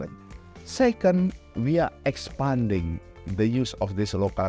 kedua kita mengekspor transaksi lokal ini untuk menawarkan pilihan aset finansial